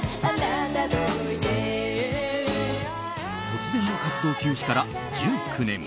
突然の活動休止から１９年。